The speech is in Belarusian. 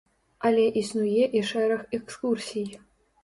Але існуе і шэраг экскурсій.